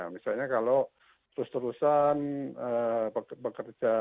misalnya kalau terus terusan pekerja